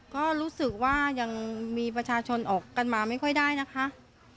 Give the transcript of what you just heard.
ก็รู้สึกว่ายังมีประชาชนออกกันมาไม่ค่อยได้นะคะ